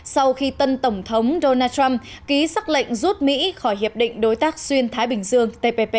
sau khi tân tổng thống donald trump ký xác lệnh rút mỹ khỏi hiệp định đối tác xuyên thái bình dương tpp